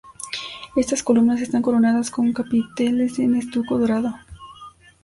Estas columnas están coronadas con capiteles en estuco dorado.